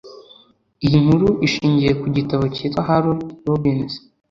iyi nkuru ishingiye ku gitabo cyitwa Harold Robbins